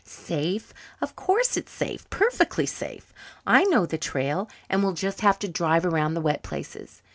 "Safe! Of course, it's safe perfectly safe. I know the trail, and we'll just have to drive around the wet places.